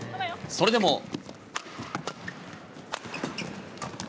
それでも。